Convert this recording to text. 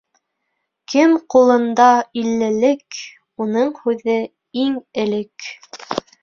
Кем ҡулында иллелек, уның һүҙе иң элек.